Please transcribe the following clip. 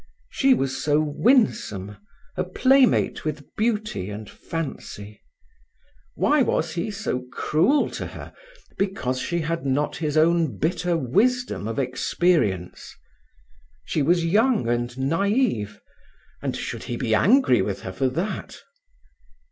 She was so winsome, a playmate with beauty and fancy. Why was he cruel to her because she had not his own bitter wisdom of experience? She was young and naïve, and should he be angry with her for that?